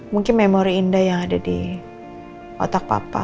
mungkin memori indah yang ada di otak papa